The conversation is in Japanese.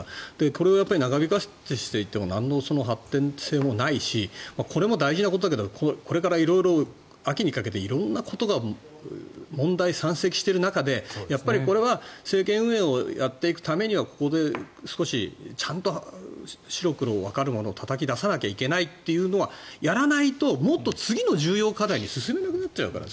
これをやっぱり長引かせていてもなんの発展性もないしこれも大事なことだけどこれから色々、秋にかけて色んなことが問題山積している中でやっぱりこれは政権運営をやっていくためにはここで少しちゃんと白黒わかるものをたたき出さなきゃいけないというのはやらないともっと次の重要課題に進めなくなっちゃうから。